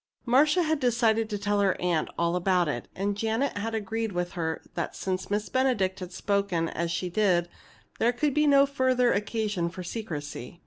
Marcia had decided to tell her aunt all about it. And Janet had agreed with her that since Miss Benedict had spoken as she did, there could be no further occasion for secrecy.